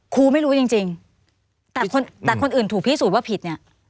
ครูไม่รู้จริงแต่คนอื่นถูกพิสูจน์ว่าผิดเนี่ย